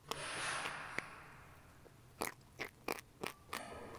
El territorio de Amalfi linda con el de Nápoles; hermosa ciudad, pero menos importante.